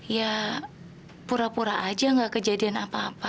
ya pura pura aja nggak kejadian apa apa